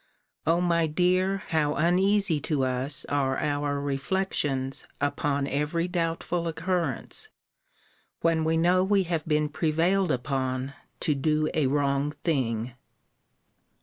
O my dear, how uneasy to us are our reflections upon every doubtful occurrence, when we know we have been prevailed upon to do a wrong thing!